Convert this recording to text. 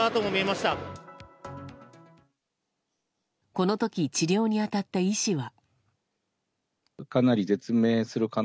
この時治療に当たった医師は。